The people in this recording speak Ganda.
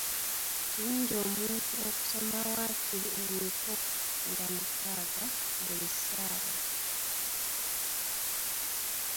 Kirungi omuntu okusoma waakiri emiko nga mukaaga buli ssaawa.